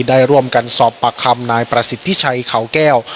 ได้ร่วมกันสอบปากคำนายประสิทธิชัยเขาแก้ว